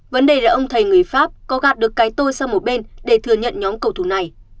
vấn đề là ông thầy người pháp có gạt được cái tôi sang một bên để thừa nhận nhóm cầu thủ này